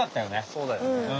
そうだよね。